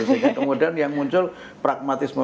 sehingga kemudian yang muncul pragmatisme